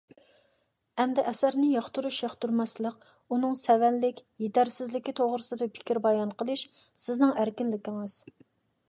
ئەمدى ئەسەرنى ياقتۇرۇش – ياقتۇرماسلىق، ئۇنىڭ سەۋەنلىك، يېتەرسىزلىكى توغرىسىدا پىكىر بايان قىلىش سىزنىڭ ئەركىنلىكىڭىز.